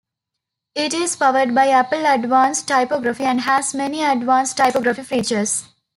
It is powered by Apple Advanced Typography and has many advanced typography features.